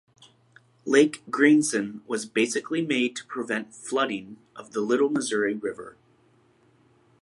Lake Greeson was basically made to prevent flooding of the Little Missouri River.